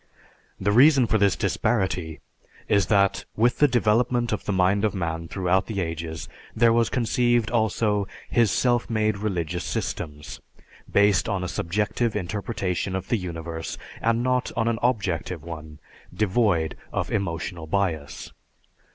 The reason for this disparity is that with the development of the mind of man throughout the ages there was conceived also his self made religious systems, based on a subjective interpretation of the universe, and not on an objective one, devoid of emotional bias.